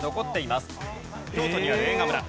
京都にある映画村。